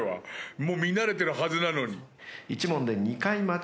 もう見慣れてるはずなのに。